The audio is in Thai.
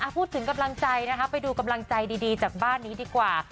พูดถึงกำลังใจนะคะไปดูกำลังใจดีจากบ้านนี้ดีกว่า